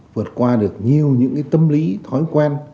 vượt qua được nhiều những tâm lý thói quen